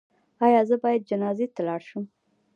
ایا زه باید جنازې ته لاړ شم؟